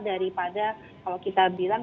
daripada kalau kita bilang